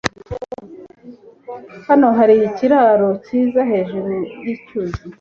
Hano hari ikiraro cyiza hejuru yicyuzi.